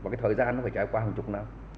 tính đến hiệp tháng năm